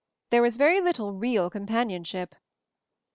There was very little real companionship.